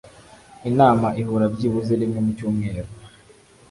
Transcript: Inama ihura byibuze rimwe mu cyumweru